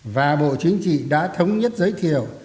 và bộ chính trị đã thống nhất giới thiệu